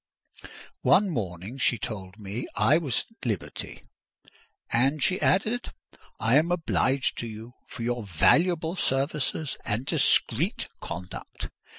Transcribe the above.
One morning she told me I was at liberty. "And," she added, "I am obliged to you for your valuable services and discreet conduct!